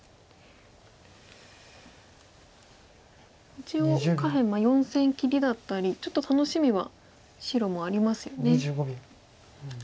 一応下辺４線切りだったりちょっと楽しみは白もありますよね。